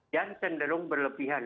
dan cenderung berlebihan